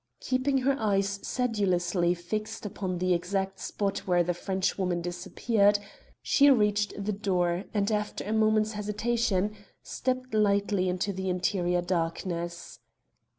Keeping her eyes sedulously fixed upon the exact spot where the Frenchwoman disappeared, she reached the door, and, after a moment's hesitation, stepped lightly into the interior darkness.